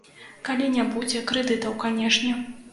Калі не будзе крэдытаў, канешне.